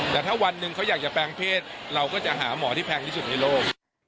แต่ถ้าวันหนึ่งเขาอยากจะแปลงเพศเราก็จะหาหมอที่แพงที่สุดในโลก